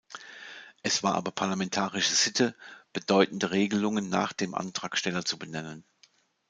Es war aber parlamentarische Sitte, bedeutende Regelungen nach dem Antragsteller zu benennen.